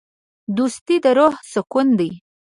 دوستي د روح سکون دی.